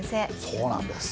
そうなんです。